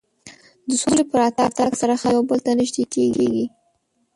د سولې په راتګ سره خلک یو بل ته نژدې کېږي.